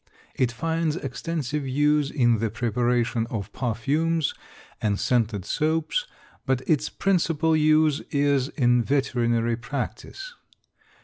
It finds extensive use in the preparation of perfumes and scented soaps; but its principal use is in veterinary practice.